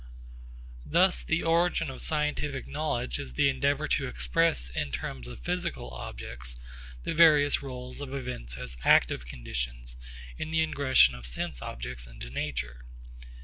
Thus the origin of scientific knowledge is the endeavour to express in terms of physical objects the various rôles of events as active conditions in the ingression of sense objects into nature.